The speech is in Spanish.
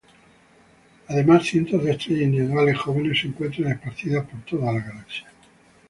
Además, cientos de estrellas individuales jóvenes se encuentran esparcidas por toda la galaxia.